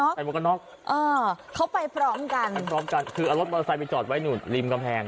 ใส่หมวกกันน็อกเข้าไปพร้อมกันคือเอารถมอเตอร์ไซด์ไปจอดไว้หนูดรีมกำแพง